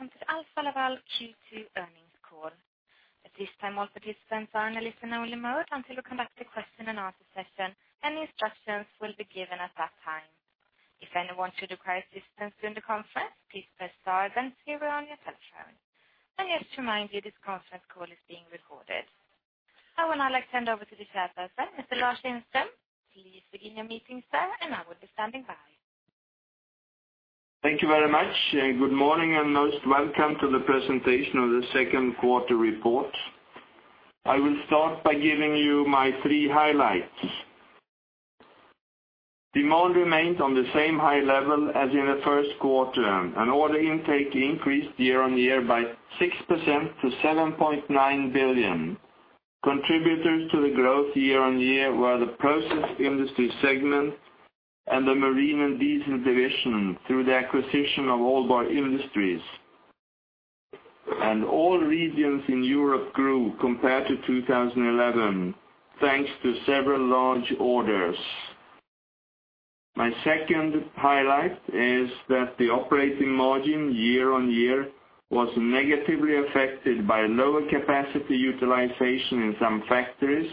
Welcome to the Alfa Laval Q2 earnings call. At this time, all participants are in a listen-only mode until we come back to the question and answer session, and instructions will be given at that time. If anyone should require assistance during the conference, please press star then zero on your telephone. Just to remind you, this conference call is being recorded. I would now like to hand over to the Chairperson, Mr. Lars Renström. Please begin your meeting, sir, and I will be standing by. Thank you very much, good morning, and most welcome to the presentation of the second quarter report. I will start by giving you my three highlights. Demand remained on the same high level as in the first quarter, order intake increased year-on-year by 6% to 7.9 billion. Contributors to the growth year-on-year were the Process Industries segment and the Marine & Diesel division through the acquisition of Aalborg Industries. All regions in Europe grew compared to 2011, thanks to several large orders. My second highlight is that the operating margin year-on-year was negatively affected by lower capacity utilization in some factories,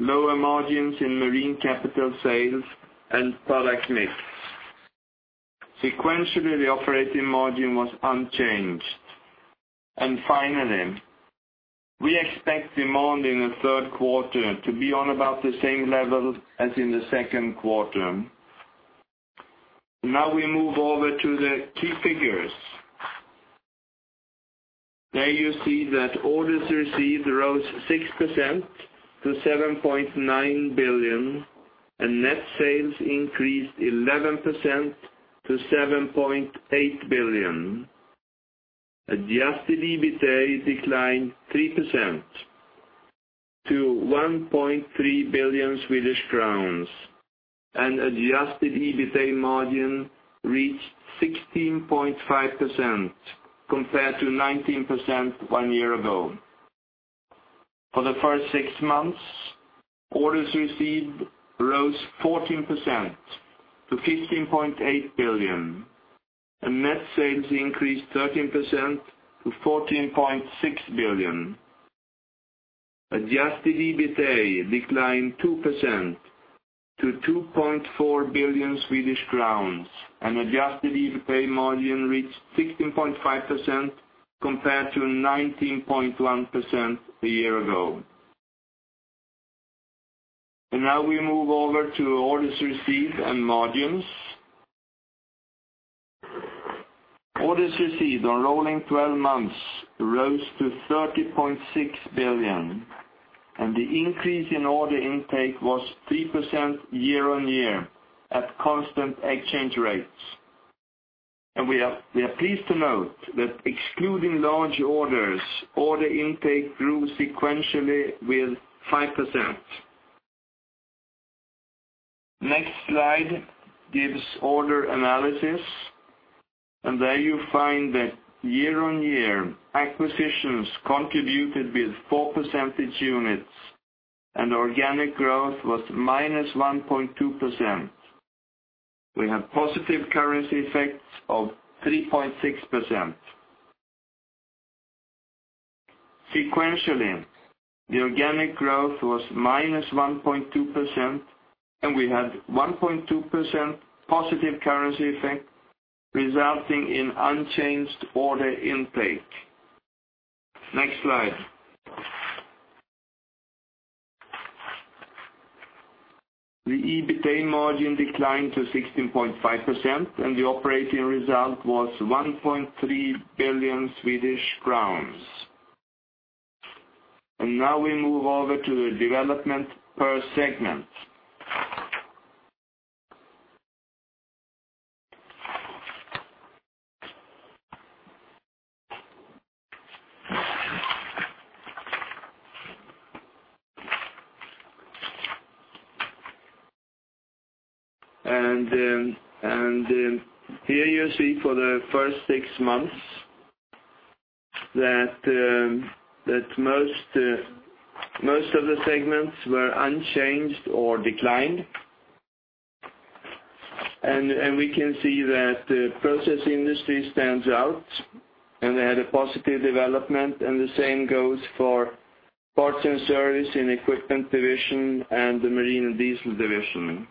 lower margins in Marine capital sales, and product mix. Sequentially, the operating margin was unchanged. Finally, we expect demand in the third quarter to be on about the same level as in the second quarter. Now we move over to the key figures. There you see that orders received rose 6% to 7.9 billion, net sales increased 11% to 7.8 billion. Adjusted EBITA declined 3% to 1.3 billion Swedish crowns, adjusted EBITA margin reached 16.5% compared to 19% one year ago. For the first six months, orders received rose 14% to 15.8 billion, net sales increased 13% to 14.6 billion. Adjusted EBITA declined 2% to 2.4 billion Swedish crowns, adjusted EBITA margin reached 16.5% compared to 19.1% a year ago. Now we move over to orders received and margins. Orders received on rolling 12 months rose to 30.6 billion, the increase in order intake was 3% year-on-year at constant exchange rates. We are pleased to note that excluding large orders, order intake grew sequentially with 5%. Next slide gives order analysis, there you find that year-on-year, acquisitions contributed with four percentage units, organic growth was -1.2%. We have positive currency effects of 3.6%. Sequentially, the organic growth was -1.2%, we had 1.2% positive currency effect, resulting in unchanged order intake. Next slide. The EBITA margin declined to 16.5%, the operating result was 1.3 billion Swedish crowns. Now we move over to the development per segment. Here you see for the first six months that most of the segments were unchanged or declined. We can see that the Process Industries stands out, they had a positive development, the same goes for Parts and Service in Equipment division and the Marine & Diesel division.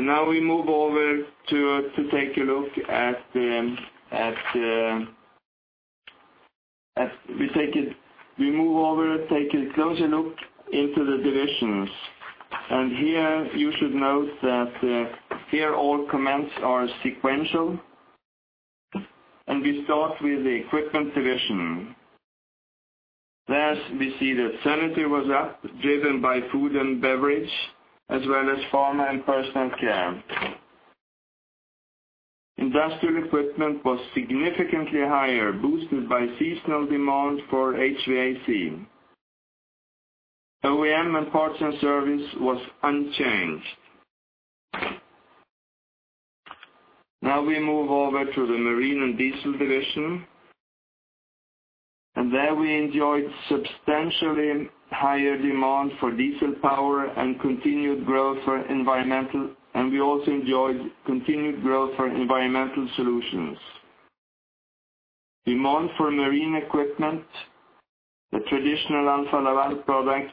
Now we move over, take a closer look into the divisions. Here you should note that here, all comments are sequential. We start with the Equipment division. Thus, we see that sanitary was up, driven by food and beverage, as well as pharma and personal care. Industrial Equipment was significantly higher, boosted by seasonal demand for HVAC. OEM and parts and service was unchanged. We move over to the Marine & Diesel division. There we enjoyed substantially higher demand for diesel power and continued growth for environmental, and we also enjoyed continued growth for environmental solutions. Demand for marine equipment, the traditional Alfa Laval products,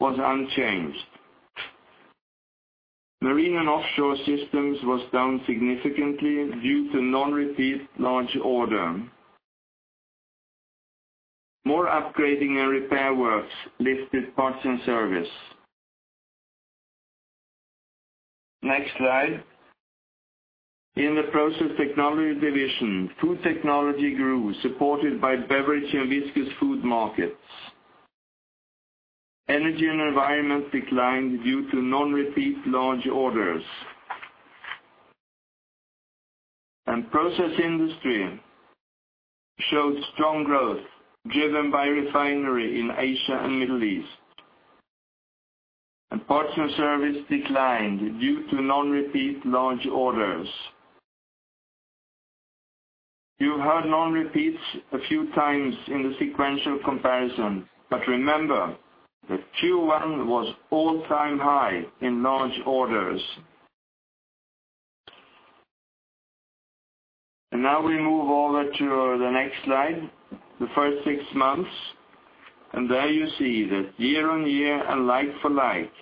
was unchanged. Marine and offshore systems was down significantly due to non-repeat large order. More upgrading and repair works lifted parts and service. Next slide. In the Process Technology division, food technology grew, supported by beverage and viscous food markets. Energy and environment declined due to non-repeat large orders. Process Industries showed strong growth, driven by refinery in Asia and Middle East. Parts and service declined due to non-repeat large orders. You heard non-repeats a few times in the sequential comparison, but remember that Q1 was all-time high in large orders. Now we move over to the next slide, the first six months, and there you see that year-on-year and like-for-like,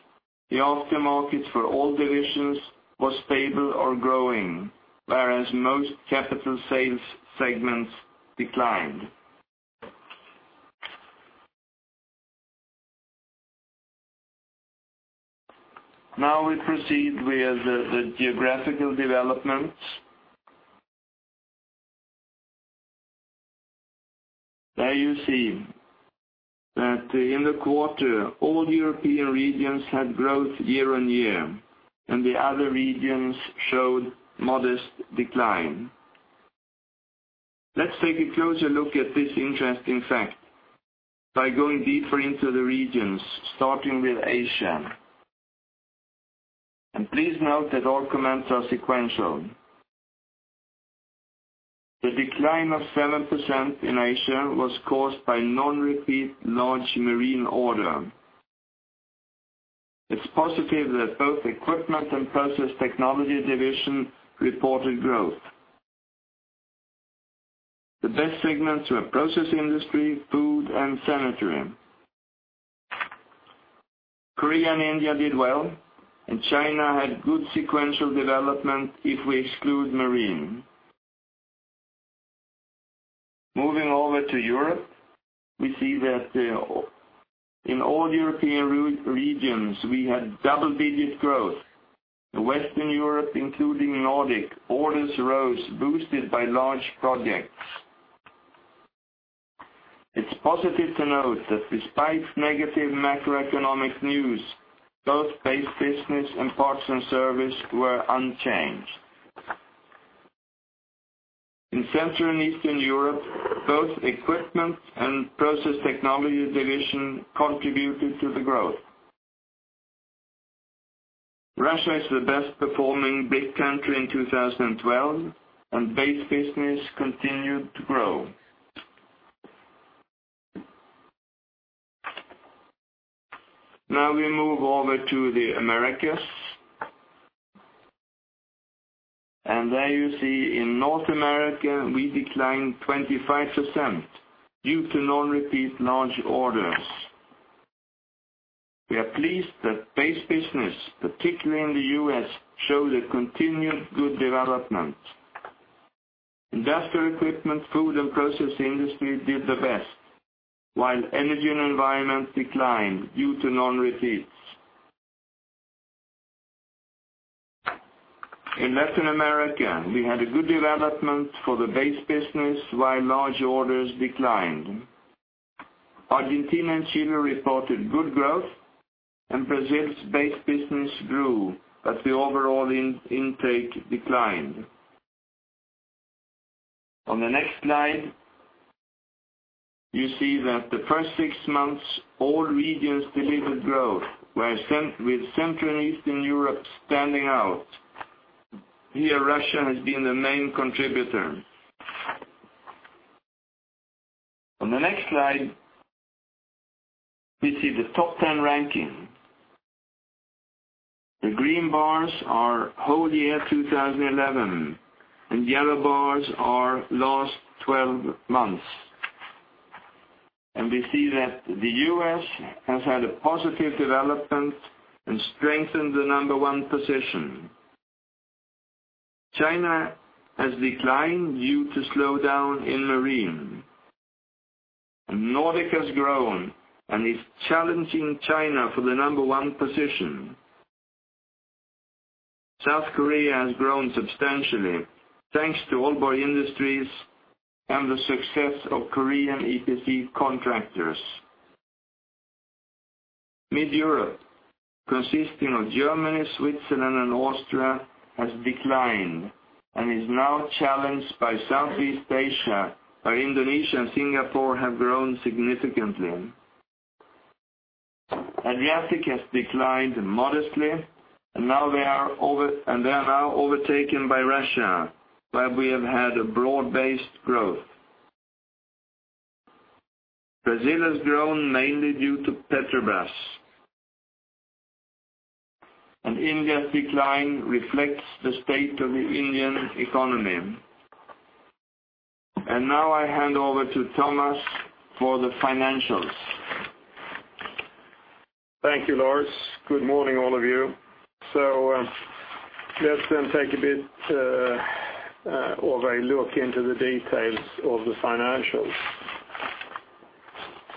the aftermarket for all divisions was stable or growing, whereas most capital sales segments declined. We proceed with the geographical developments. There you see that in the quarter, all European regions had growth year-on-year, and the other regions showed modest decline. Let's take a closer look at this interesting fact by going deeper into the regions, starting with Asia. Please note that all comments are sequential. The decline of 7% in Asia was caused by non-repeat large marine order. It's positive that both Equipment and Process Technology division reported growth. The best segments were Process Industries, food, and sanitary. Korea and India did well, and China had good sequential development if we exclude marine. Moving over to Europe, we see that in all European regions, we had double-digit growth. Western Europe, including Nordic, orders rose, boosted by large projects. It's positive to note that despite negative macroeconomic news, both base business and parts and service were unchanged. In Central and Eastern Europe, both Equipment and Process Technology division contributed to the growth. Russia is the best-performing big country in 2012, and base business continued to grow. We move over to the Americas. There you see in North America, we declined 25% due to non-repeat large orders. We are pleased that base business, particularly in the U.S., showed a continued good development. Industrial Equipment, food, and Process Industries did the best, while energy and environment declined due to non-repeats. In Latin America, we had a good development for the base business while large orders declined. Argentina and Chile reported good growth, and Brazil's base business grew as the overall intake declined. On the next slide, you see that the first six months, all regions delivered growth, with Central and Eastern Europe standing out. Here, Russia has been the main contributor. On the next slide, we see the top 10 ranking. The green bars are whole year 2011, and yellow bars are last 12 months. We see that the U.S. has had a positive development and strengthened the number one position. China has declined due to slowdown in marine. Nordic has grown and is challenging China for the number one position. South Korea has grown substantially, thanks to oil buoy industries and the success of Korean EPC contractors. Mid Europe, consisting of Germany, Switzerland, and Austria, has declined and is now challenged by Southeast Asia, where Indonesia and Singapore have grown significantly. The ethic has declined modestly, they are now overtaken by Russia, where we have had a broad-based growth. Brazil has grown mainly due to Petrobras. India's decline reflects the state of the Indian economy. Now I hand over to Thomas for the financials. Thank you, Lars. Good morning, all of you. Let's then take a bit of a look into the details of the financials.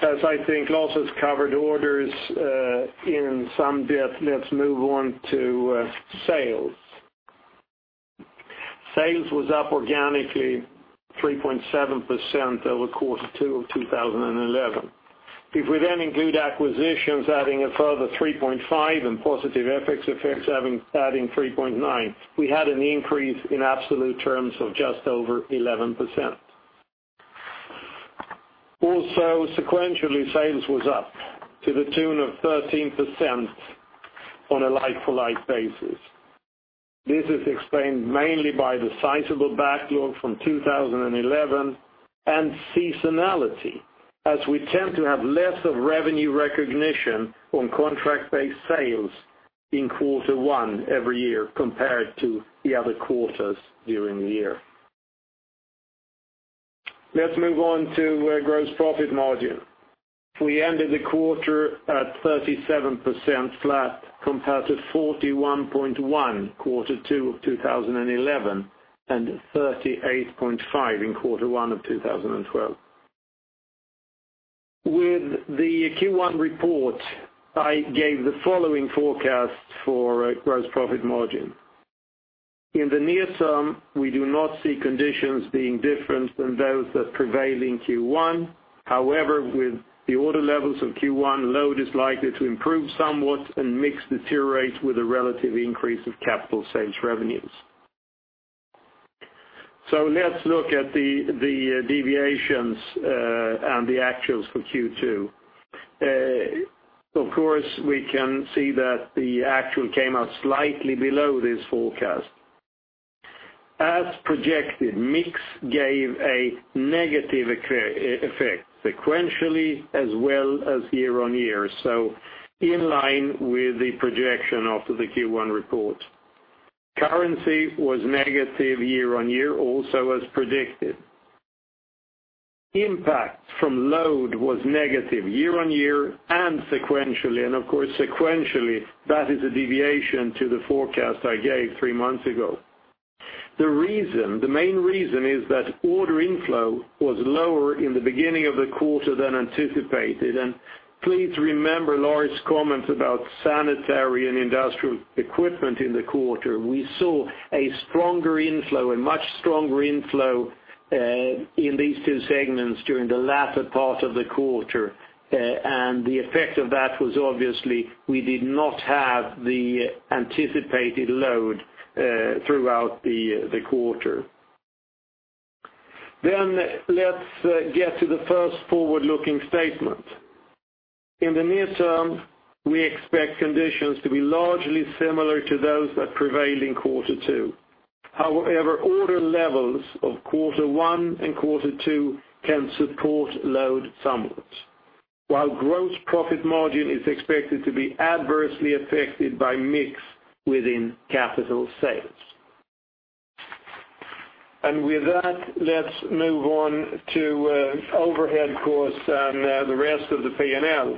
As I think Lars has covered orders in some depth, let's move on to sales. Sales was up organically 3.7% over quarter two of 2011. If we then include acquisitions adding a further 3.5% and positive FX effects adding 3.9%, we had an increase in absolute terms of just over 11%. Also, sequentially, sales was up to the tune of 13% on a like-for-like basis. This is explained mainly by the sizable backlog from 2011 and seasonality, as we tend to have less of revenue recognition on contract-based sales in quarter one every year compared to the other quarters during the year. Let's move on to gross profit margin. We ended the quarter at 37% flat, compared to 41.1% quarter two of 2011 and 38.5% in quarter one of 2012. With the Q1 report, I gave the following forecast for gross profit margin. In the near term, we do not see conditions being different than those that prevailed in Q1. However, with the order levels of Q1, load is likely to improve somewhat and mix deteriorate with a relative increase of capital sales revenues. Let's look at the deviations and the actuals for Q2. Of course, we can see that the actual came out slightly below this forecast. As projected, mix gave a negative effect sequentially as well as year-on-year, so in line with the projection of the Q1 report. Currency was negative year-on-year, also as predicted. Impact from load was negative year-on-year and sequentially. Of course, sequentially, that is a deviation to the forecast I gave three months ago. The main reason is that order inflow was lower in the beginning of the quarter than anticipated. Please remember Lars' comments about sanitary and Industrial Equipment in the quarter. We saw a much stronger inflow in these two segments during the latter part of the quarter. The effect of that was obviously we did not have the anticipated load throughout the quarter. Let's get to the first forward-looking statement. In the near term, we expect conditions to be largely similar to those that prevailed in quarter two. However, order levels of quarter one and quarter two can support load somewhat, while gross profit margin is expected to be adversely affected by mix within capital sales. With that, let's move on to overhead costs and the rest of the P&L.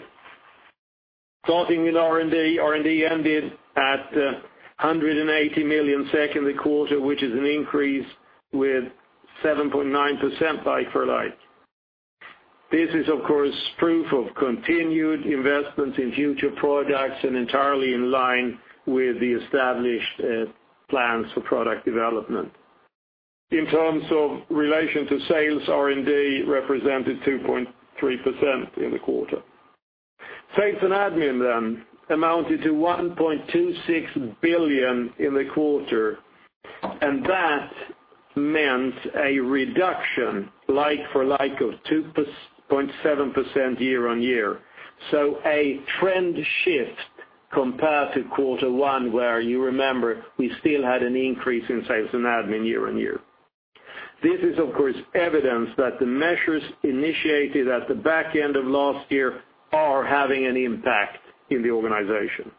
Starting with R&D. R&D ended at 180 million second quarter, which is an increase with 7.9% like-for-like. This is, of course, proof of continued investment in future products and entirely in line with the established plans for product development. In terms of relation to sales, R&D represented 2.3% in the quarter. Sales and admin amounted to 1.26 billion in the quarter. That meant a reduction like-for-like of 2.7% year-on-year. A trend shift compared to quarter one, where you remember we still had an increase in sales and admin year-on-year. This is, of course, evidence that the measures initiated at the back end of last year are having an impact in the organization.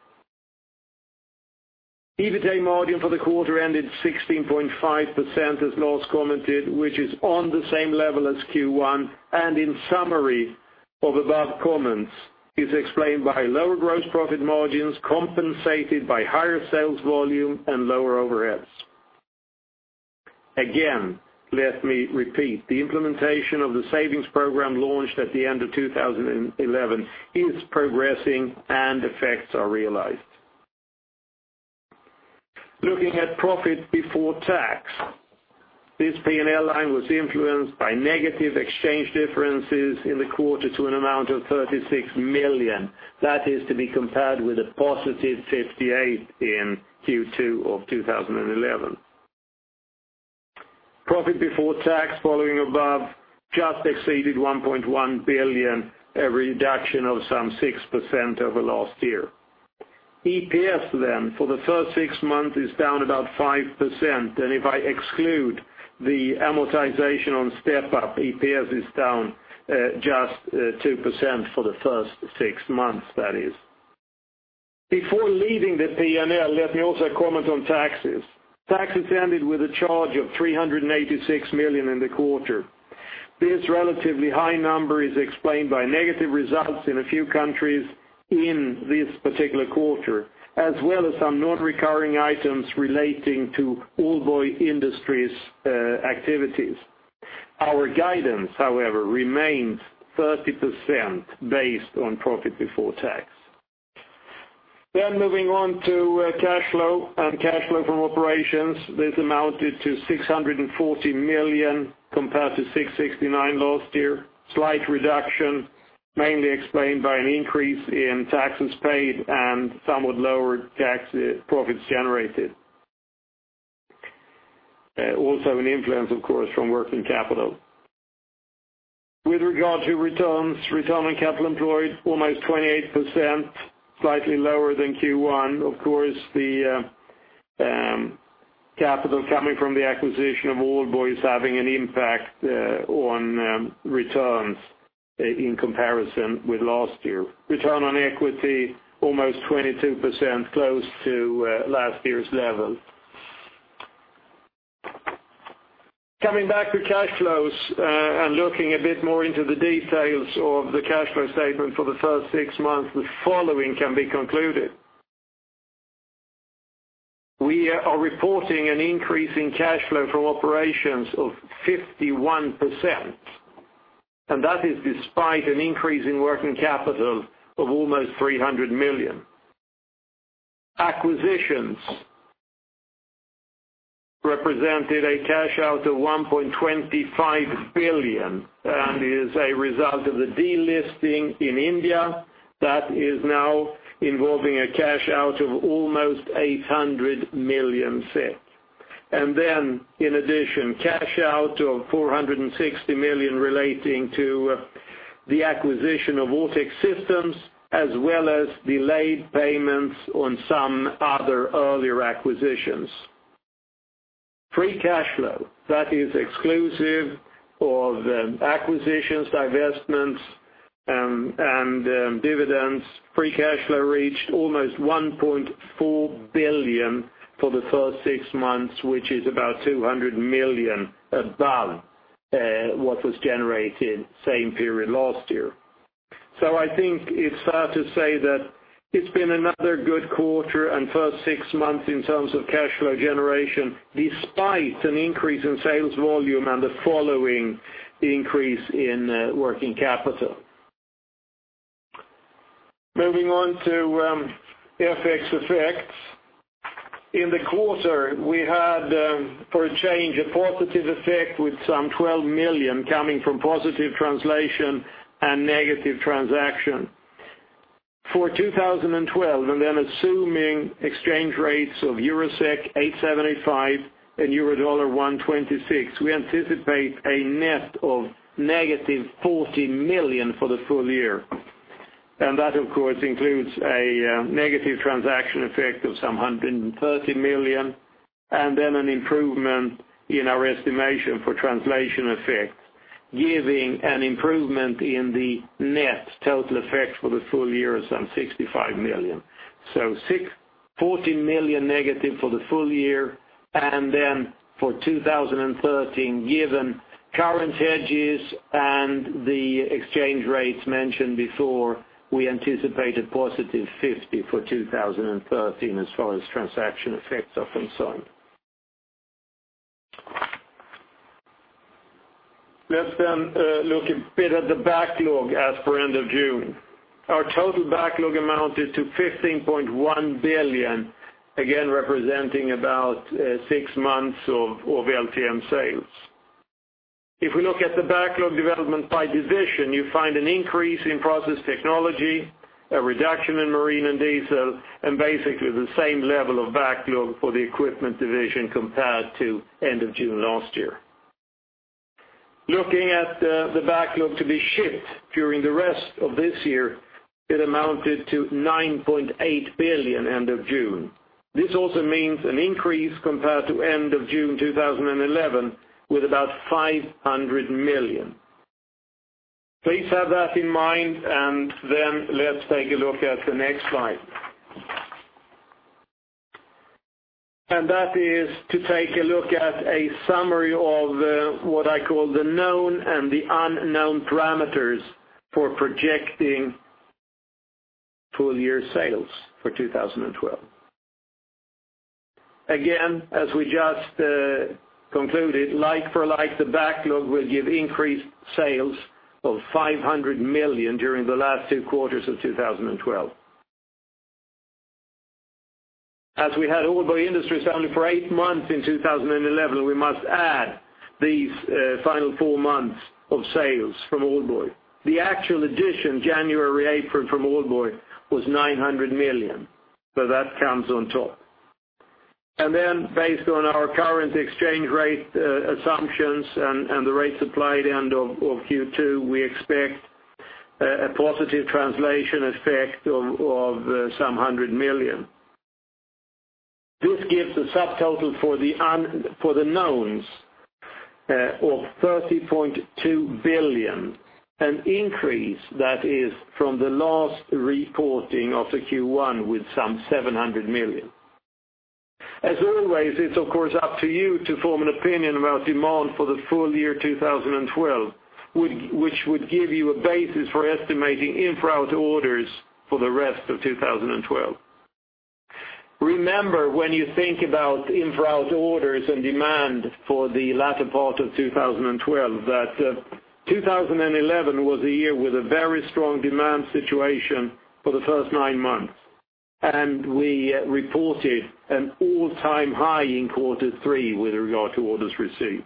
EBITA margin for the quarter ended 16.5%, as Lars commented, which is on the same level as Q1. In summary of above comments, is explained by lower gross profit margins compensated by higher sales volume and lower overheads. Again, let me repeat, the implementation of the savings program launched at the end of 2011 is progressing and effects are realized. Looking at profit before tax, this P&L line was influenced by negative exchange differences in the quarter to an amount of 36 million. That is to be compared with a positive 58 in Q2 of 2011. Profit before tax following above just exceeded 1.1 billion, a reduction of some 6% over last year. EPS for the first six months is down about 5%. If I exclude the amortization on step-up, EPS is down just 2% for the first six months, that is. Before leaving the P&L, let me also comment on taxes. Taxes ended with a charge of 386 million in the quarter. This relatively high number is explained by negative results in a few countries in this particular quarter, as well as some non-recurring items relating to Aalborg Industries activities. Our guidance, however, remains 30% based on profit before tax. Moving on to cash flow and cash flow from operations. This amounted to 640 million compared to 669 last year. Slight reduction, mainly explained by an increase in taxes paid and somewhat lower tax profits generated. Also an influence, of course, from working capital. With regard to returns, return on capital employed, almost 28%, slightly lower than Q1. Of course, the capital coming from the acquisition of Aalborg is having an impact on returns in comparison with last year. Return on equity, almost 22%, close to last year's level. Coming back to cash flows, looking a bit more into the details of the cash flow statement for the first six months, the following can be concluded. We are reporting an increase in cash flow from operations of 51%, and that is despite an increase in working capital of almost 300 million. Acquisitions represented a cash out of 1.25 billion and is a result of the delisting in India that is now involving a cash out of almost 800 million SEK. In addition, cash out of 460 million relating to the acquisition of OTEC systems, as well as delayed payments on some other earlier acquisitions. Free cash flow, that is exclusive of acquisitions, divestments, and dividends. Free cash flow reached almost 1.4 billion for the first six months, which is about 200 million above what was generated same period last year. I think it is fair to say that it has been another good quarter and first 6 months in terms of cash flow generation, despite an increase in sales volume and the following increase in working capital. Moving on to FX effects. In the quarter, we had, for a change, a positive effect with some 12 million coming from positive translation and negative transaction. For 2012, assuming exchange rates of EUR/SEK 8.75 and EUR/USD 1.26, we anticipate a net of negative 40 million for the full year. That, of course, includes a negative transaction effect of some 130 million, and then an improvement in our estimation for translation effects, giving an improvement in the net total effect for the full year of some 65 million. 40 million negative for the full year, and for 2013, given current hedges and the exchange rates mentioned before, we anticipate a positive 50 for 2013 as far as transaction effects are concerned. Let us look a bit at the backlog as per end of June. Our total backlog amounted to 15.1 billion, again, representing about six months of LTM sales. If we look at the backlog development by division, you find an increase in Process Technology, a reduction in Marine & Diesel, and basically the same level of backlog for the Equipment division compared to end of June last year. Looking at the backlog to be shipped during the rest of this year, it amounted to 9.8 billion end of June. This also means an increase compared to end of June 2011, with about 500 million. Please have that in mind, and let us take a look at the next slide. That is to take a look at a summary of what I call the known and the unknown parameters for projecting full year sales for 2012. Again, as we just concluded, like for like, the backlog will give increased sales of 500 million during the last 2 quarters of 2012. As we had Aalborg Industries only for 8 months in 2011, we must add these final 4 months of sales from Aalborg. The actual addition January, April from Aalborg was 900 million. That comes on top. Based on our current exchange rate assumptions and the rates applied end of Q2, we expect a positive translation effect of some 100 million. This gives a subtotal for the knowns of 30.2 billion, an increase that is from the last reporting of the Q1 with some 700 million. As always, it is of course up to you to form an opinion about demand for the full year 2012, which would give you a basis for estimating en route orders for the rest of 2012. Remember when you think about en route orders and demand for the latter part of 2012, that 2011 was a year with a very strong demand situation for the first nine months, and we reported an all-time high in quarter three with regard to orders received.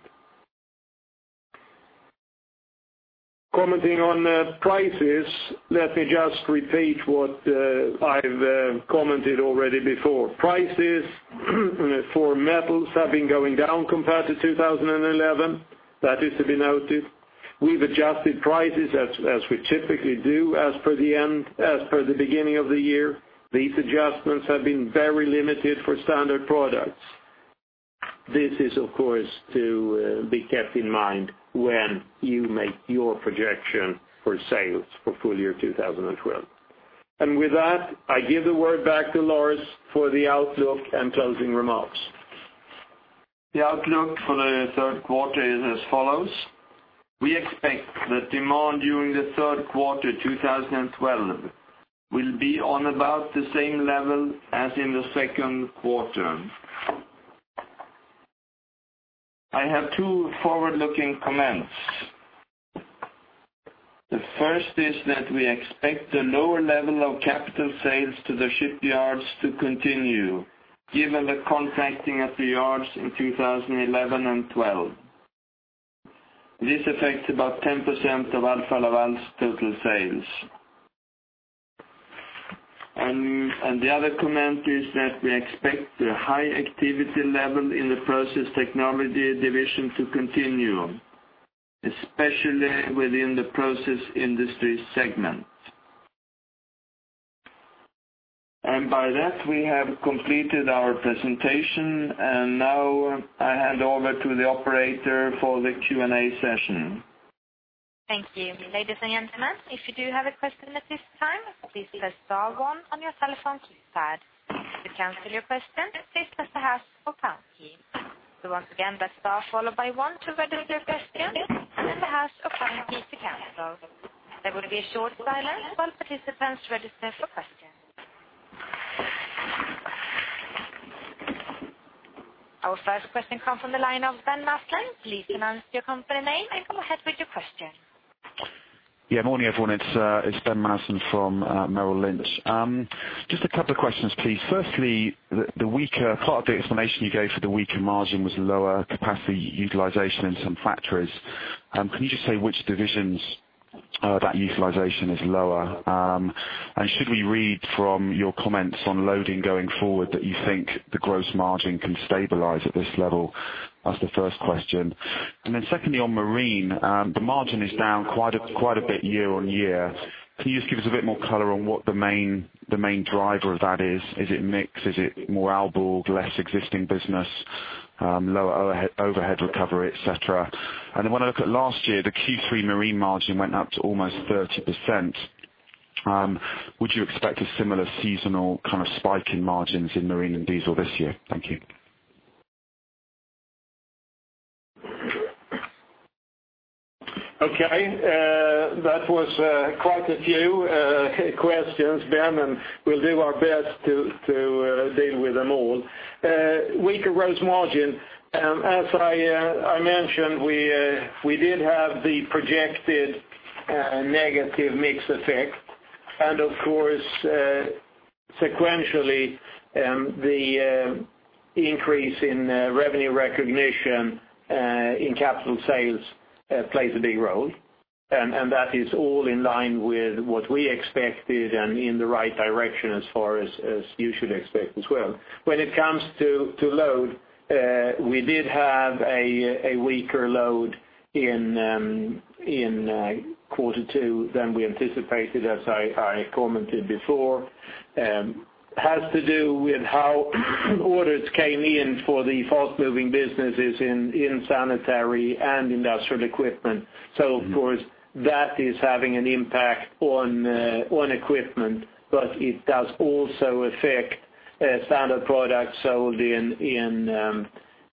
Commenting on prices, let me just repeat what I have commented already before. Prices for metals have been going down compared to 2011. That is to be noted. We have adjusted prices as we typically do as per the beginning of the year. These adjustments have been very limited for standard products. This is, of course, to be kept in mind when you make your projection for sales for full year 2012. With that, I give the word back to Lars for the outlook and closing remarks. The outlook for the third quarter is as follows. We expect that demand during the third quarter 2012 will be on about the same level as in the second quarter. I have two forward-looking comments. The first is that we expect the lower level of capital sales to the shipyards to continue, given the contracting at the yards in 2011 and 2012. This affects about 10% of Alfa Laval's total sales. The other comment is that we expect the high activity level in the Process Technology division to continue, especially within the Process Industries segment. By that, we have completed our presentation, now I hand over to the operator for the Q&A session. Thank you. Ladies and gentlemen, if you do have a question at this time, please press star one on your telephone keypad. To cancel your question, please press the hash or pound key. Once again, that's star followed by one to register your question, then the hash or pound key to cancel. There will be a short silence while participants register for questions. Our first question come from the line of Ben Mathison. Please announce your company name and go ahead with your question. Yeah, morning, everyone. It's Ben Mathison from Merrill Lynch. Just a couple of questions, please. Firstly, part of the explanation you gave for the weaker margin was lower capacity utilization in some factories. Can you just say which divisions that utilization is lower? Should we read from your comments on loading going forward that you think the gross margin can stabilize at this level? That's the first question. Secondly, on Marine, the margin is down quite a bit year-on-year. Can you just give us a bit more color on what the main driver of that is? Is it mix? Is it more Aalborg, less existing business, lower overhead recovery, et cetera? When I look at last year, the Q3 Marine margin went up to almost 30%. Would you expect a similar seasonal kind of spike in margins in Marine & Diesel this year? Thank you. Okay. That was quite a few questions, Ben, we'll do our best to deal with them all. Weaker gross margin. As I mentioned, we did have the projected negative mix effect. Of course, sequentially, the increase in revenue recognition in capital sales plays a big role. That is all in line with what we expected and in the right direction as far as you should expect as well. When it comes to load, we did have a weaker load in quarter two than we anticipated, as I commented before. Has to do with how orders came in for the fast-moving businesses in sanitary and Industrial Equipment. Of course, that is having an impact on Equipment, but it does also affect standard products sold in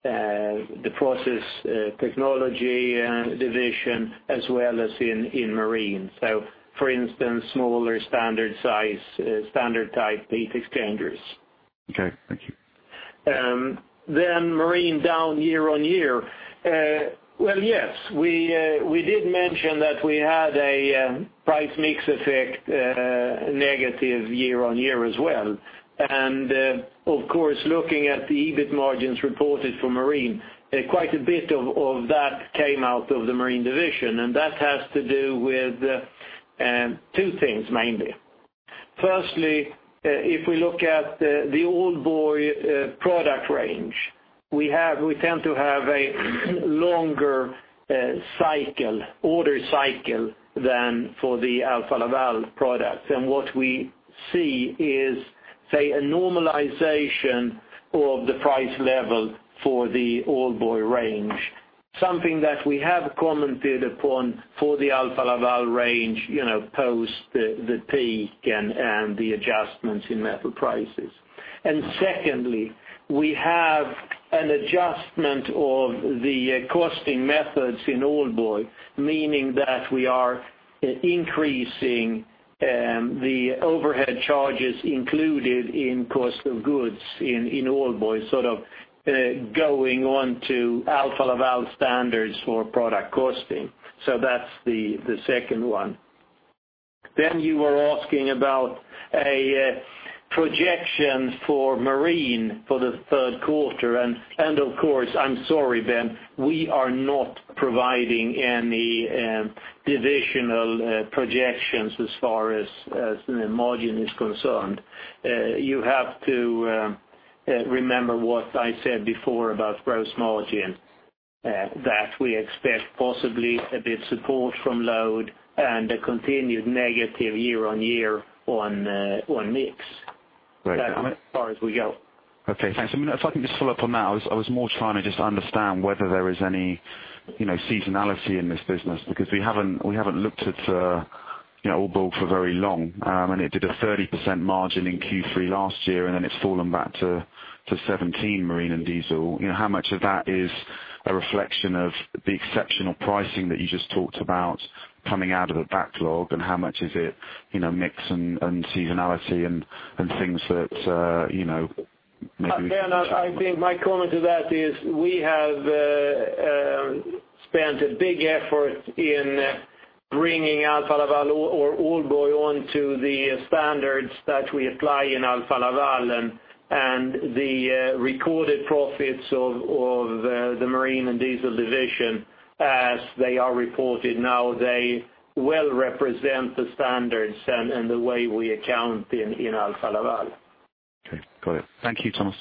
the Process Technology division as well as in marine. For instance, smaller standard size, standard type heat exchangers. Okay. Thank you. Marine down year-on-year. Yes, we did mention that we had a price mix effect, negative year-on-year as well. Of course, looking at the EBIT margins reported for Marine, quite a bit of that came out of the Marine division. That has to do with two things mainly. Firstly, if we look at the Aalborg product range, we tend to have a longer order cycle than for the Alfa Laval products. What we see is, say, a normalization of the price level for the Aalborg range. Something that we have commented upon for the Alfa Laval range, post the peak and the adjustments in metal prices. Secondly, we have an adjustment of the costing methods in Aalborg, meaning that we are increasing the overhead charges included in cost of goods in Aalborg, sort of going on to Alfa Laval standards for product costing. That's the second one. You were asking about a projection for Marine for the third quarter, and of course, I'm sorry, Ben, we are not providing any divisional projections as far as margin is concerned. You have to remember what I said before about gross margin. That we expect possibly a bit support from load and a continued negative year-on-year on mix. Great. That's as far as we go. Okay, thanks. If I can just follow up on that, I was more trying to just understand whether there is any seasonality in this business, because we haven't looked at Aalborg for very long, and it did a 30% margin in Q3 last year, and then it's fallen back to 17% Marine & Diesel. How much of that is a reflection of the exceptional pricing that you just talked about coming out of the backlog, and how much is it mix and seasonality and things that maybe Ben, I think my comment to that is we have spent a big effort in bringing Alfa Laval or Aalborg onto the standards that we apply in Alfa Laval and the recorded profits of the Marine & Diesel division as they are reported now. They well represent the standards and the way we account in Alfa Laval. Okay. Got it. Thank you, Thomas.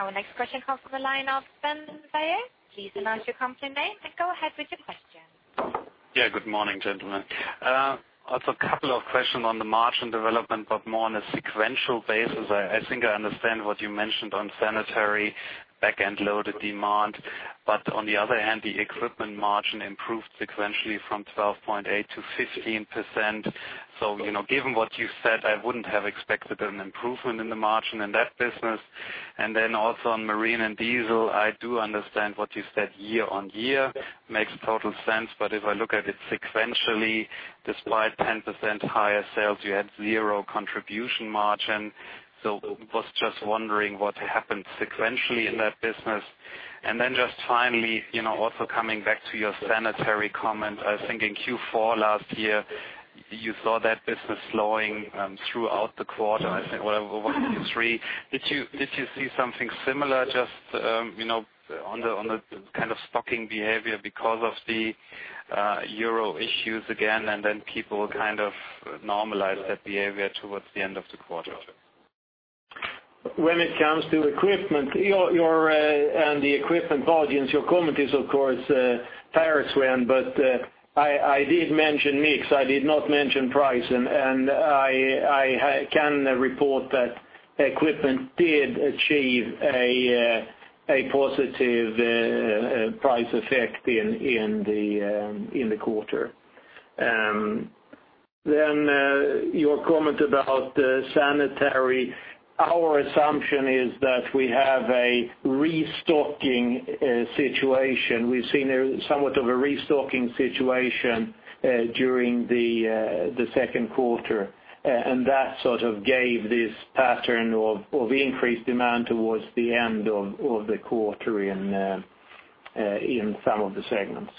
Our next question comes from the line of Ben Bayer. Please announce your company name and go ahead with your question. Yeah, good morning, gentlemen. Also a couple of questions on the margin development, more on a sequential basis. I think I understand what you mentioned on sanitary back end loaded demand, on the other hand, the Equipment margin improved sequentially from 12.8% to 15%. Given what you said, I wouldn't have expected an improvement in the margin in that business. Also on Marine & Diesel, I do understand what you said year-on-year, makes total sense. If I look at it sequentially, despite 10% higher sales, you had zero contribution margin. Was just wondering what happened sequentially in that business. Just finally, also coming back to your sanitary comment, I think in Q4 last year, you saw that business slowing throughout the quarter, I think, or Q3. Did you see something similar just on the kind of stocking behavior because of the Euro issues again, people kind of normalize that behavior towards the end of the quarter? When it comes to Equipment and the Equipment volumes, your comment is of course, pars pro toto, I did mention mix. I did not mention price, and I can report that Equipment did achieve a positive price effect in the quarter. Your comment about sanitary. Our assumption is that we have a restocking situation. We've seen somewhat of a restocking situation during the second quarter, and that sort of gave this pattern of increased demand towards the end of the quarter in some of the segments.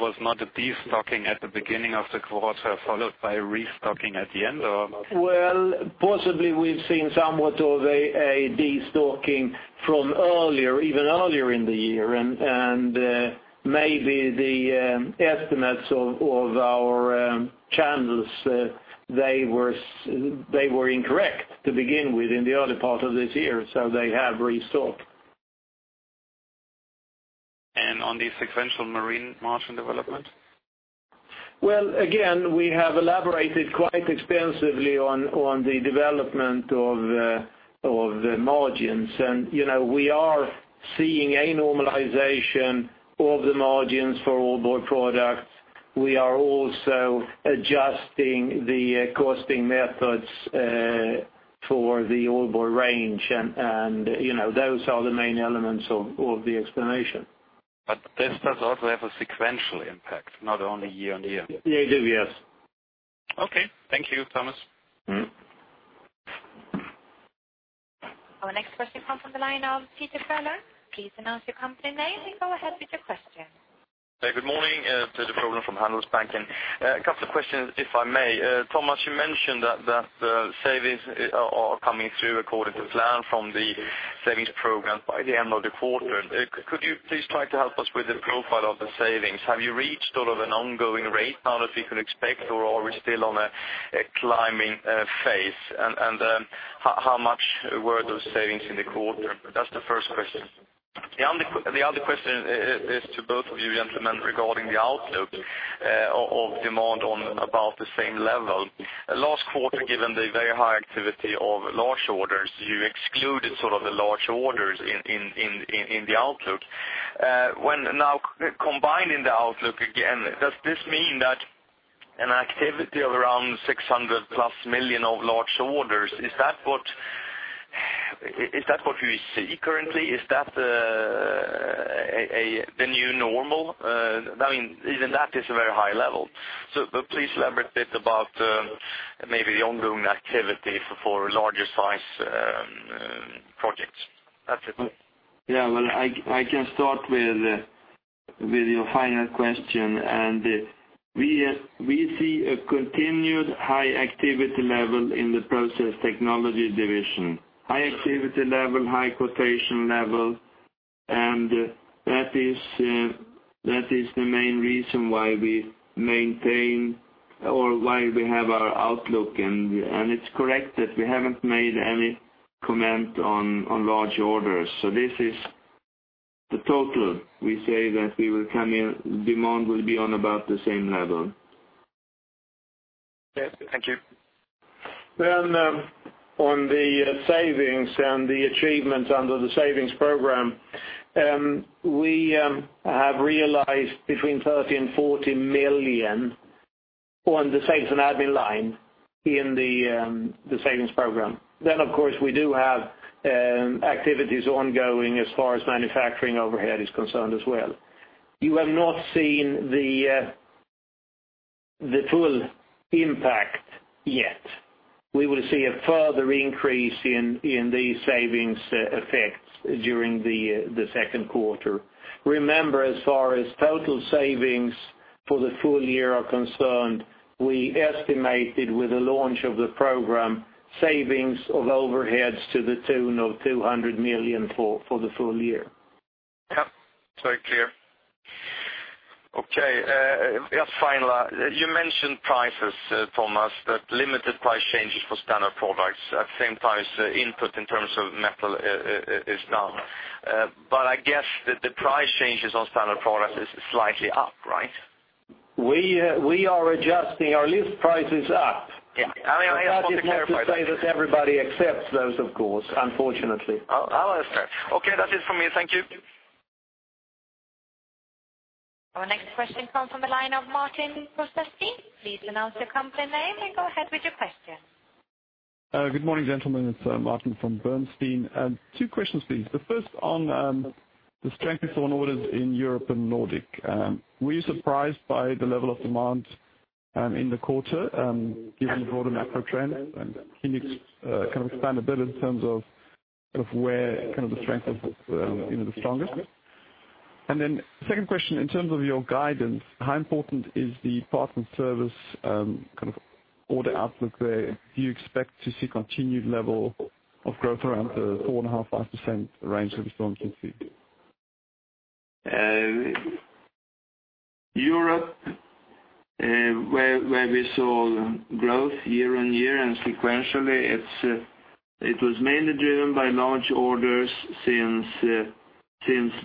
Was not a destocking at the beginning of the quarter, followed by restocking at the end, or? Well, possibly we've seen somewhat of a destocking from even earlier in the year, maybe the estimates of our channels, they were incorrect to begin with in the early part of this year, they have restocked. On the sequential marine margin development? Well, again, we have elaborated quite extensively on the development of the margins. We are seeing a normalization of the margins for Aalborg products. We are also adjusting the costing methods for the Aalborg range, and those are the main elements of the explanation. This does also have a sequential impact, not only year-on-year. It do, yes. Okay. Thank you, Thomas. Our next question comes from the line of Peder Frölén. Please announce your company name, then go ahead with your question. Good morning. Peder Frölén from Handelsbanken. A couple of questions, if I may. Thomas, you mentioned that the savings are coming through according to plan from the savings program by the end of the quarter. Could you please try to help us with the profile of the savings? Have you reached an ongoing rate now that we can expect, or are we still on a climbing phase? How much were those savings in the quarter? That's the first question. The other question is to both of you gentlemen regarding the outlook of demand on about the same level. Last quarter, given the very high activity of large orders, you excluded the large orders in the outlook. When now combining the outlook again, does this mean that an activity of around 600 million+ of large orders, is that what you see currently? Is that the new normal? Even that is a very high level. Please elaborate a bit about maybe the ongoing activity for larger size projects. That's it. Yeah. I can start with your final question. We see a continued high activity level in the Process Technology division. High activity level, high quotation level, that is the main reason why we maintain or why we have our outlook. It's correct that we haven't made any comment on large orders. This is the total. We say that demand will be on about the same level. Yes. Thank you. On the savings and the achievements under the savings program, we have realized between 30 million and 40 million on the sales and admin line in the savings program. Of course, we do have activities ongoing as far as manufacturing overhead is concerned as well. You have not seen the full impact yet. We will see a further increase in these savings effects during the second quarter. Remember, as far as total savings for the full year are concerned, we estimated with the launch of the program, savings of overheads to the tune of 200 million for the full year. Yep. Very clear. Okay. Just final. You mentioned prices, Thomas, that limited price changes for standard products. At the same time, input in terms of metal is down. I guess the price changes on standard products is slightly up, right? We are adjusting our list prices up. Yeah. I just want to clarify that. That is not to say that everybody accepts those, of course, unfortunately. I understand. Okay, that's it from me. Thank you. Our next question comes from the line of Martin Probst. Please announce your company name, then go ahead with your question. Good morning, gentlemen. It's Martin from Bernstein. Two questions, please. The first on the strength on orders in Europe and the Nordics. Were you surprised by the level of demand in the quarter, given the broader macro trend? Can you kind of expand a bit in terms of where the strength is the strongest? Second question, in terms of your guidance, how important is the parts and service order outlook there? Do you expect to see continued level of growth around the 4.5%-5% range that we saw in Q2? Europe, where we saw growth year-on-year and sequentially, it was mainly driven by large orders since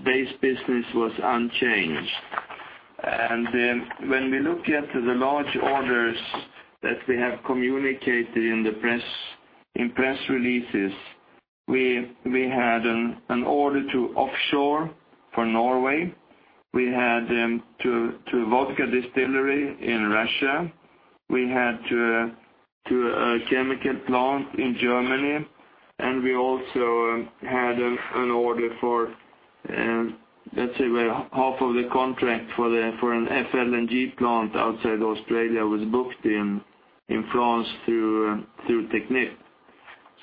base business was unchanged. When we look at the large orders that we have communicated in press releases, we had an order to offshore for Norway. We had to vodka distillery in Russia. We had to a chemical plant in Germany. We also had an order for, let's say about half of the contract for an FLNG plant outside Australia was booked in France through Technip.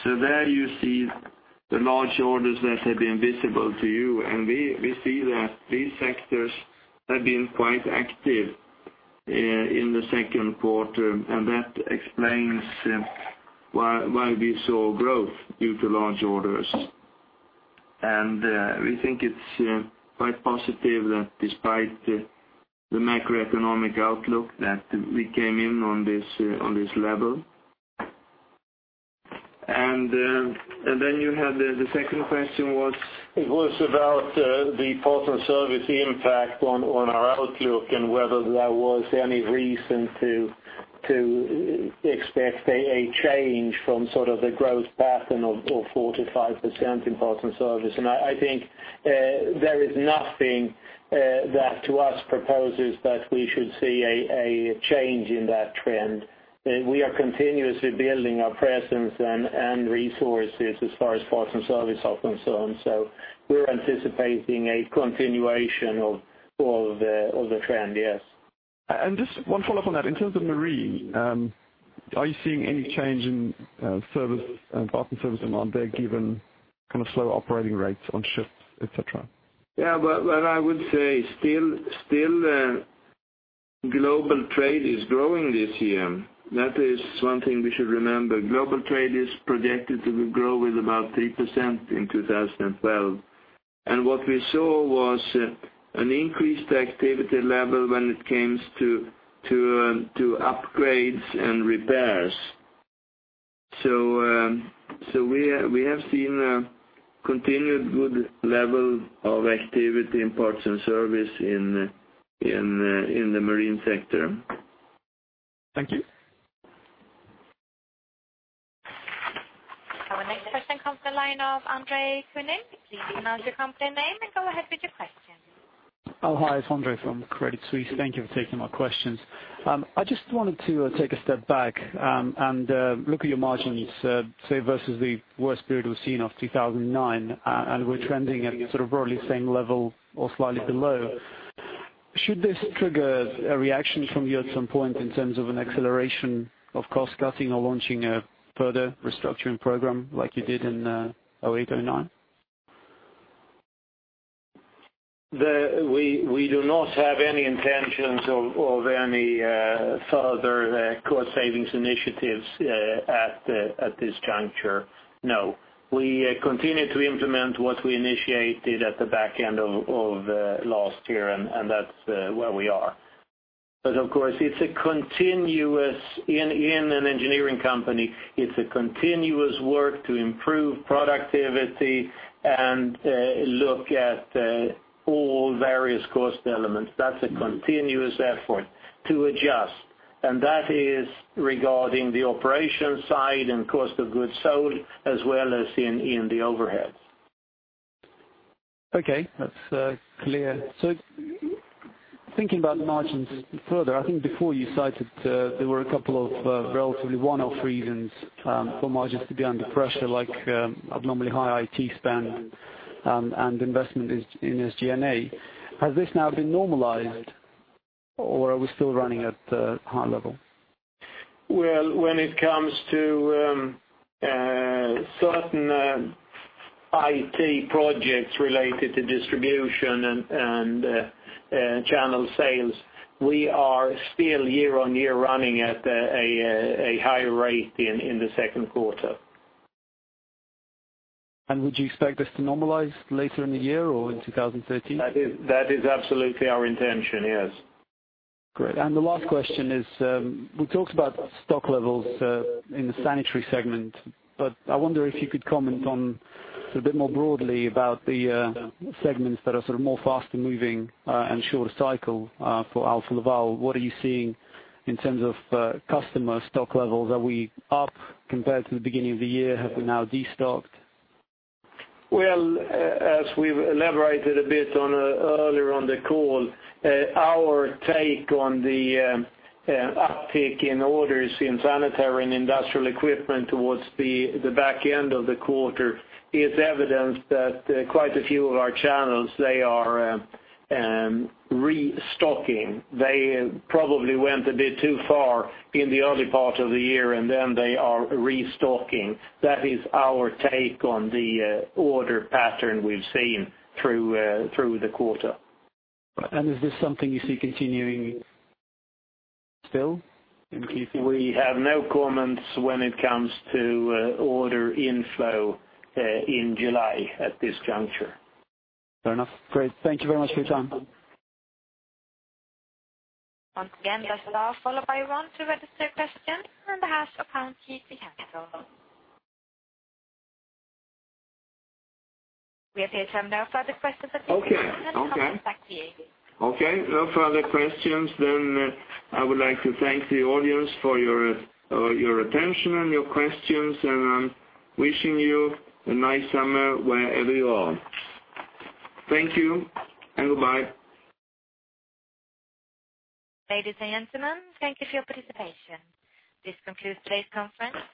There you see the large orders that have been visible to you, we see that these sectors have been quite active in the second quarter, and that explains why we saw growth due to large orders. We think it's quite positive that despite the macroeconomic outlook, that we came in on this level. You had the second question was? It was about the parts and service impact on our outlook and whether there was any reason to expect a change from sort of the growth pattern of 4%-5% in parts and service. I think there is nothing that to us proposes that we should see a change in that trend. We are continuously building our presence and resources as far as parts and service offerings go. We're anticipating a continuation of the trend, yes. Just one follow-up on that. In terms of marine, are you seeing any change in parts and service demand there, given slower operating rates on ships, et cetera? What I would say, still global trade is growing this year. That is one thing we should remember. Global trade is projected to be growing about 3% in 2012. What we saw was an increased activity level when it came to upgrades and repairs. We have seen a continued good level of activity in parts and service in the marine sector. Thank you. Our next question comes to the line of Andre Quinane. Please announce your company name and go ahead with your question. Oh, hi. It's Andre from Credit Suisse. Thank you for taking my questions. I just wanted to take a step back and look at your margins, say, versus the worst period we've seen of 2009, and we're trending at broadly the same level or slightly below. Should this trigger a reaction from you at some point in terms of an acceleration of cost cutting or launching a further restructuring program like you did in 2008, 2009? We do not have any intentions of any further cost savings initiatives at this juncture. No. We continue to implement what we initiated at the back end of last year, and that's where we are. Of course, in an engineering company, it's a continuous work to improve productivity and look at all various cost elements. That's a continuous effort to adjust, and that is regarding the operations side and cost of goods sold, as well as in the overheads. Okay. That's clear. Thinking about margins further, I think before you cited there were a couple of relatively one-off reasons for margins to be under pressure, like abnormally high IT spend and investment in SG&A. Has this now been normalized, or are we still running at a high level? When it comes to certain IT projects related to distribution and channel sales, we are still year-on-year running at a high rate in the second quarter. Would you expect this to normalize later in the year or in 2013? That is absolutely our intention, yes. Great. The last question is, we talked about stock levels in the sanitary segment, but I wonder if you could comment on, a bit more broadly, about the segments that are more faster moving and shorter cycle for Alfa Laval. What are you seeing in terms of customer stock levels? Are we up compared to the beginning of the year? Have we now de-stocked? As we've elaborated a bit on earlier on the call, our take on the uptick in orders in sanitary and Industrial Equipment towards the back end of the quarter is evidence that quite a few of our channels, they are restocking. They probably went a bit too far in the early part of the year, and then they are restocking. That is our take on the order pattern we've seen through the quarter. Is this something you see continuing still, increasing? We have no comments when it comes to order inflow in July at this juncture. Fair enough. Great. Thank you very much for your time. Once again, that's the last follow-up I want to register a question, and. [inaudible] We have reached the end of further questions at this time. Okay. Thank you. Okay. No further questions, I would like to thank the audience for your attention and your questions, and I'm wishing you a nice summer wherever you are. Thank you, and goodbye. Ladies and gentlemen, thank you for your participation. This concludes today's conference.